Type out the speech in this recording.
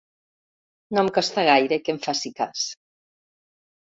No em costa gaire que em faci cas.